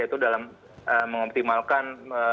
yaitu dalam mengoptimalkan